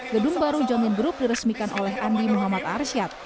gedung baru john group diresmikan oleh andi muhammad arsyad